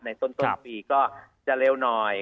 ต้นปีก็จะเร็วหน่อย